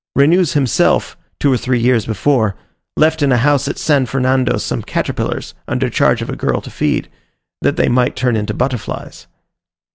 Renous himself, two or three years before, left in a house at San Fernando some caterpillars, under charge of a girl to feed, that they might turn into butterflies.